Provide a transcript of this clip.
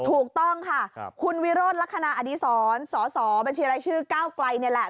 ถูกต้องค่ะคุณวิโรธลักษณะอดีศรสสบชก้าวไกลนี่แหละ